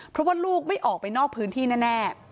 เพราะว่าลูกไม่ออกไปนอกพื้นที่แน่